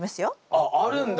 あっあるんだ！